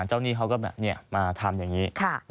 หนี้เขาก็มาทำอย่างนี้